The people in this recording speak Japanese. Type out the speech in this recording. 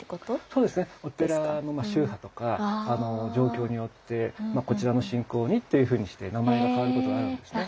そうですねお寺の宗派とか状況によってこちらの信仰にっていうふうにして名前が変わることがあるんですね。